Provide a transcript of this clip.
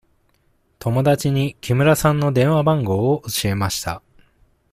友達に木村さんの電話番号を教えました。